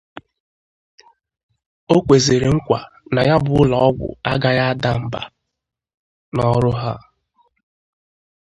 O kwezịrị nkwà na ya bụ ụlọọgwụ agaghị ada mbà n'ọrụ ha